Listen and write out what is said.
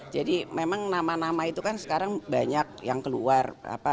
jadi memang nama nama itu kan sekarang banyak yang keluar